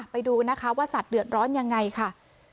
ไปดูนะคะว่าสัตว์เดือดร้อนยังไงค่ะ